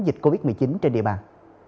dịch covid một mươi chín trên địa bàn